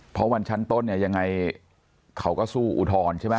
เพราะวันชั้นต้นเนี่ยยังไงเขาก็สู้อุทธรณ์ใช่ไหม